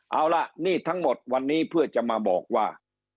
เอาล่ะนี่ทั้งหมดวันนี้เพื่อจะมาบอกว่า